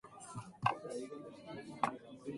The recordings were made in various configurations.